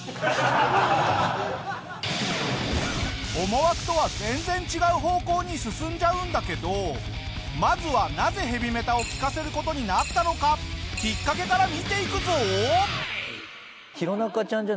思惑とは全然違う方向に進んじゃうんだけどまずはなぜヘビメタを聞かせる事になったのかきっかけから見ていくぞ！